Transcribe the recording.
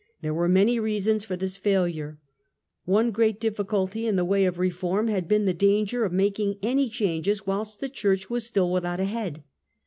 There were many reasons for this f aihire One great difficulty in the way of reform had been the danger of making any changes whilst the Church was still without a head.